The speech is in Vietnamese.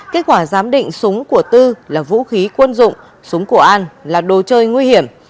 kết quả giám định súng của tư là vũ khí quân dụng súng của an là đồ chơi nguy hiểm